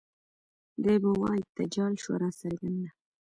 دے به وائي تجال شوه راڅرګنده